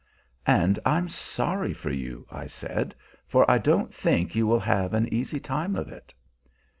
"And I'm sorry for you," I said; "for I don't think you will have an easy time of it."